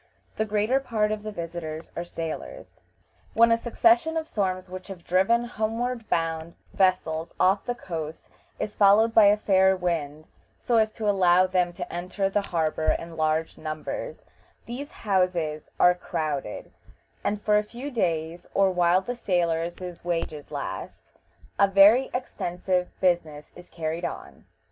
The greater part of the visitors are sailors. When a succession of storms which have driven homeward bound vessels off the coast is followed by a fair wind, so as to allow them to enter the harbor in large numbers, these houses are crowded, and for a few days, or while the sailors' wages last, a very extensive business is carried on.